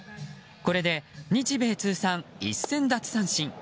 これで、日米通算１０００奪三振